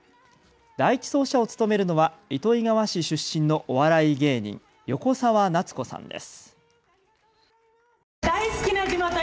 第１走者を務めるのは糸魚川市出身のお笑い芸人、横澤夏子さんです。